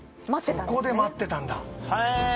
そこで待ってたんだ